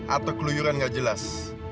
atau keluyuran gak jelas